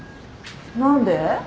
何で？